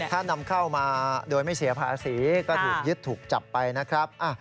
ถ้านำเข้ามาโดยไม่เสียภาษีก็ถูกยึดถูกจับไปนะครับ